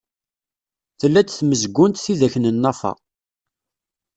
Tella-d tmezgunt tidak n Nna Fa.